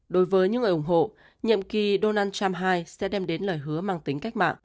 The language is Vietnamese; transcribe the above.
đối với những người ủng hộ nhiệm kỳ donald trump hai sẽ đem đến lời hứa mang tính cách mạng